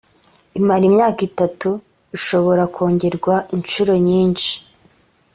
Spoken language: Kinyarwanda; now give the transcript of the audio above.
imara imyaka itatu ishobora kongerwa inshuro nyinshi